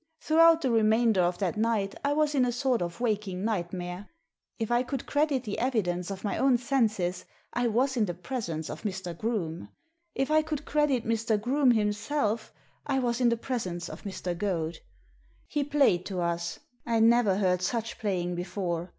Throughout the remainder of that night I was in a sort of waking nightmare. If I could credit the evidence of my own senses I was in the presence of Mr. Groome. If I could credit Mr. Groome himself, I was in the presence of Mr. Goad. He played to us. I never heard such playing before.